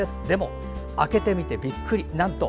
でも開けてみてびっくり。